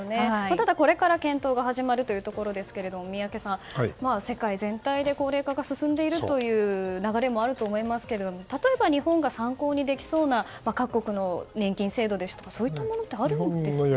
これから検討が始まるということですが宮家さん、世界全体で高齢化が進んでいるという流れもあると思いますけれども例えば日本が参考にできそうな各国の年金制度ですとかあるんですか？